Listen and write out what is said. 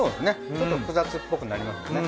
ちょっと複雑っぽくなりますよね。